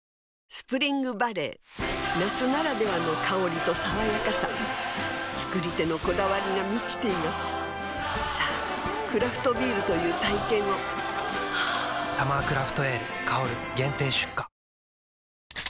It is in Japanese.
スプリングバレー夏ならではの香りと爽やかさ造り手のこだわりが満ちていますさぁクラフトビールという体験を「サマークラフトエール香」限定出荷